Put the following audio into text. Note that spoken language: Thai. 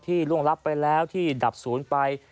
ล่วงรับไปแล้วที่ดับศูนย์ไป